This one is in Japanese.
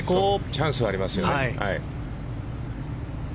チャンスはありますよ。